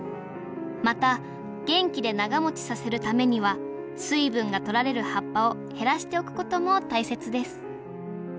また元気で長もちさせるためには水分が取られる葉っぱを減らしておくことも大切です